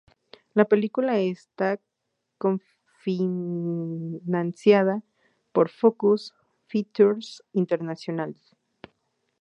La película está co-financiada por Focus Features International.